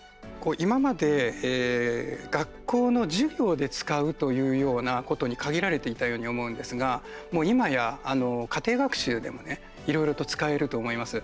今まで学校の授業で使うというようなことに限られていたように思うんですがもう今や家庭学習でもねいろいろと使えると思います。